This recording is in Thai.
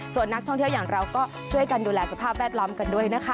ส่วนนักท่องเที่ยวอย่างเราก็ช่วยกันดูแลสภาพแวดล้อมกันด้วยนะคะ